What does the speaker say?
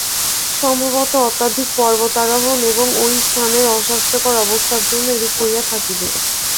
সম্ভবত অত্যধিক পর্বতারোহণ এবং ঐ স্থানের অস্বাস্থ্যকর অবস্থার জন্য এরূপ হইয়া থাকবে।